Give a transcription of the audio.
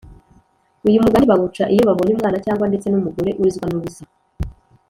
uyu mugani bawuca iyo babonye umwana cyangwa ndetse n'umugore urizwa n'ubusa